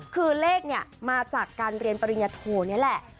คือเลขเนี่ยมาจากการเรียนปริญญโทนี่แหละ